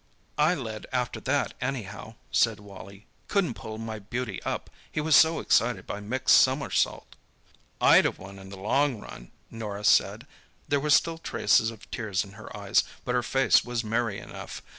"I led after that, anyhow," said Wally. "Couldn't pull my beauty up, he was so excited by Mick's somersault." "I'd have won, in the long run!" Norah said. There were still traces of tears in her eyes, but her face was merry enough.